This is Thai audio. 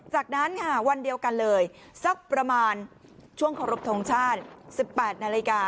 จากนั้นค่ะวันเดียวกันเลยสักประมาณช่วงขอรบทรงชาติ๑๘นาฬิกา